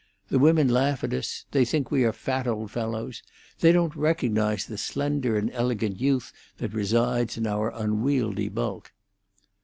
The women laugh at us; they think we are fat old fellows; they don't recognise the slender and elegant youth that resides in our unwieldy bulk."